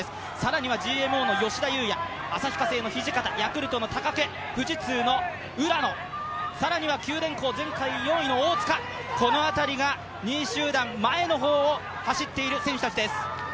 更にＧＭＯの吉田祐也、ヤクルトの高久、富士通の浦野、更には九電工、前回４位の大塚、この辺りが２位集団、前の方を走っている選手たちです。